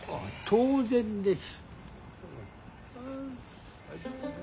当然です。